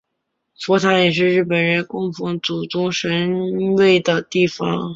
佛坛也是日本人供奉祖宗神位的地方。